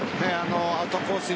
アウトコース